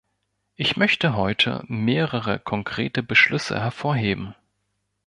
Ich möchte heute mehrere konkrete Beschlüsse hervorheben.